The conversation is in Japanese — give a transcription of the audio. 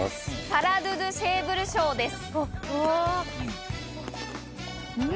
サラドゥ・ドゥ・シェーブルショーです。